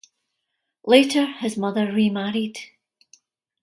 Later his mother remarried.